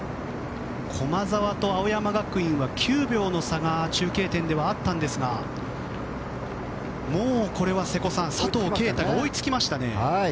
駒澤と青山学院は９秒の差が中継点ではあったんですがもうこれは瀬古さん佐藤圭汰が追いつきましたね。